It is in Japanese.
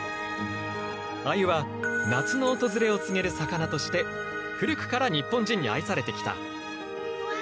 アユは夏の訪れを告げる魚として古くから日本人に愛されてきた。